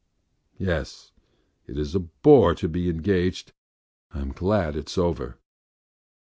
Yes, it is a bore to be engaged! I'm glad it's over.